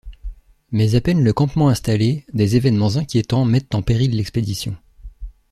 Mais à peine le campement installé, des événements inquiétants mettent en péril l’expédition.